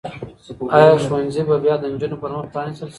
آیا ښوونځي به بیا د نجونو پر مخ پرانیستل شي؟